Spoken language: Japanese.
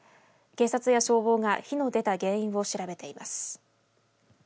警察や消防が火の出た原因を調べています。